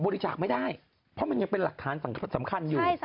บริจาคไม่ได้เพราะมันยังเป็นหลักฐานสำคัญอยู่